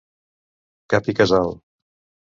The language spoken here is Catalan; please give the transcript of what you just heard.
Cap i casal.